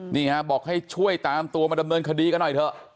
นี่ฮะบอกให้ช่วยตามตัวมาดำเนินคดีกันหน่อยเถอะ